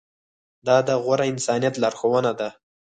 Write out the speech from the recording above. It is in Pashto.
دا د غوره انسانیت لارښوونه ده.